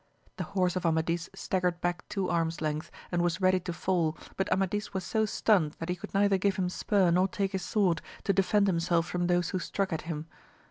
The horse of Amadis staggered back two arms length and was ready to fall, but Amadis was so stunned that he could neither give him spur nor take his sword, to defend himself from those who struck at him.